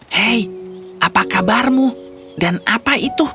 hei apa kabarmu dan apa itu